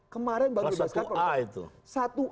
kelas satu a itu